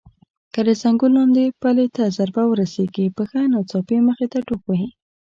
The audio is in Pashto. که د زنګون لاندې پلې ته ضربه ورسېږي پښه ناڅاپي مخې ته ټوپ وهي.